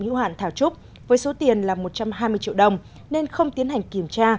hữu hạn thảo trúc với số tiền là một trăm hai mươi triệu đồng nên không tiến hành kiểm tra